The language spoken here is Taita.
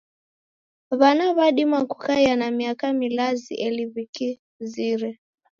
W'ana w'adima kukaia na miaka milazi ela w'ikizire.